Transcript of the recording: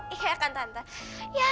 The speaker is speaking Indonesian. enggak kan tante